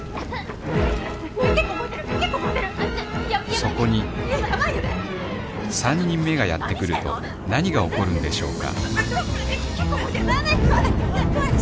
そこに３人目がやって来ると何が起こるんでしょうか